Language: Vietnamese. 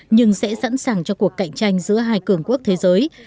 nhưng sẽ sẵn sàng cho cuộc cạnh tranh giữa hai cường quốc thế giới